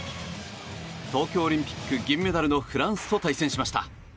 東京オリンピック銀メダルのフランスと対戦しました。